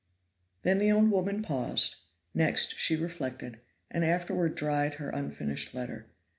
Then the old woman paused, next she reflected, and afterward dried her unfinished letter.